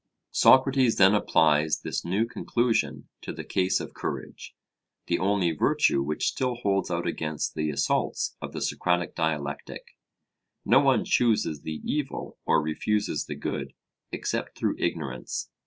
Socrates then applies this new conclusion to the case of courage the only virtue which still holds out against the assaults of the Socratic dialectic. No one chooses the evil or refuses the good except through ignorance.